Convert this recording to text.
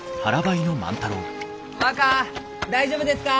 若大丈夫ですか？